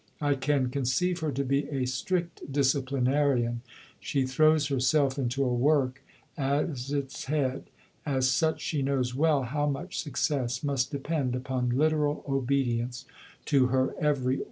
I can conceive her to be a strict disciplinarian; she throws herself into a work as its head. As such she knows well how much success must depend upon literal obedience to her every order."